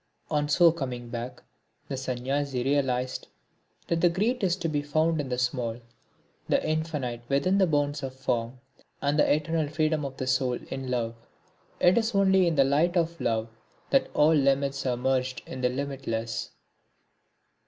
On so coming back the Sanyasi realised that the great is to be found in the small, the infinite within the bounds of form, and the eternal freedom of the soul in love. It is only in the light of love that all limits are merged in the limitless.